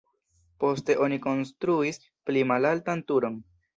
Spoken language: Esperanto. Poste oni konstruis pli malaltan turon.